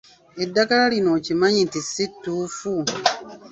Eddagala lino okimanyi nti si ttuufu?